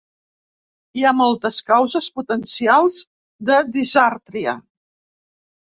Hi ha moltes causes potencials de disàrtria.